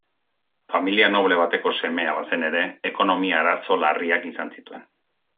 Familia noble bateko semea bazen ere, ekonomia-arazo larriak izan zituen.